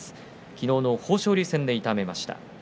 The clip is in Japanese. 昨日の豊昇龍戦で痛めました。